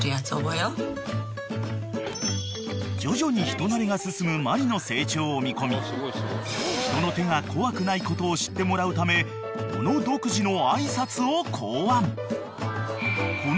［徐々に人馴れが進むマリの成長を見込み人の手が怖くないことを知ってもらうため小野独自の挨拶を考案］